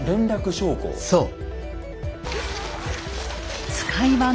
そう。